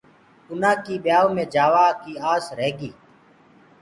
اُنآ ڪي ٻيآئوُ مي جآوآ ڪيٚ آس رهيگي۔